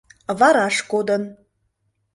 Вараш кодын.